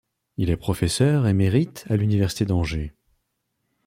Il est professeur émérite à l'université d'Angers.